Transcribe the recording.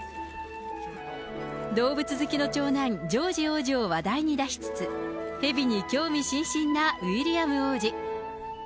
動物好きの長男、ジョージ王子を話題に出しつつ、蛇に興味津々なウィリアム王子。